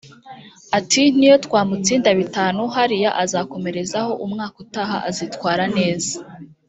Ati “N’iyo twamutsinda bitanu hariya azakomerezeho umwaka utaha azitwara neza”